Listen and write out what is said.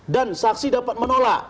dan saksi dapat menolak